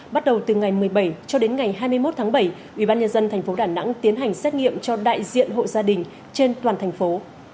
bắt đầu từ ngày một mươi bảy cho đến ngày hai mươi một tháng bảy ubnd tp đà nẵng tiến hành xét nghiệm cho đại diện hộ gia đình trên toàn thành phố